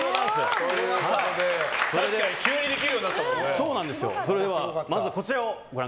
確かに急にできるようになったもんね。